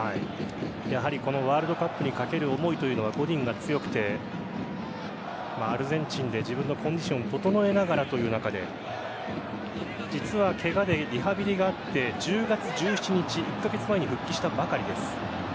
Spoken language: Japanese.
ワールドカップにかける思いというのがゴディンが強くてアルゼンチンで自分のコンディションを整えながらという中で実はケガでリハビリがあって１０月１７日１カ月前に復帰したばかりです。